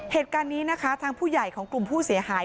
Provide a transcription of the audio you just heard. เหตุการณ์นี้นะคะทางผู้ใหญ่ของกลุ่มผู้เสียหาย